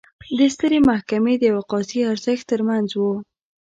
د سترې محکمې د یوه قاضي ارزښت ترمنځ و.